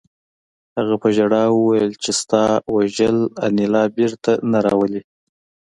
هغه په ژړا وویل چې ستا وژل انیلا بېرته نه راولي